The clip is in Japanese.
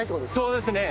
そうですね。